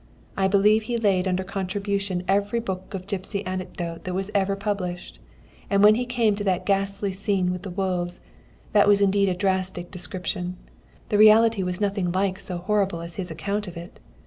I believe he laid under contribution every book of gipsy anecdote that was ever published. And when he came to that ghastly scene with the wolves that was indeed a drastic description. The reality was nothing like so horrible as his account of it.